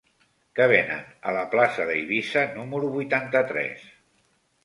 Què venen a la plaça d'Eivissa número vuitanta-tres?